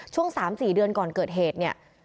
ช่วง๓๔เดือนก่อนเกิดเหตุเนี่ย